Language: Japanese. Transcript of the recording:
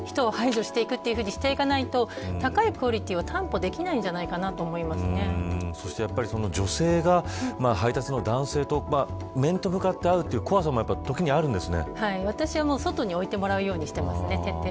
そうやって評価の低い人を排除していくというふうにしていかないと高いクオリティーを担保できないんじゃないかとそして、女性が配達の男性と面と向かって会うという怖さも時にはあるんですね。